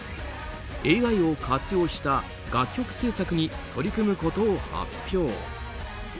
ＡＩを活用した楽曲制作に取り組むことを発表。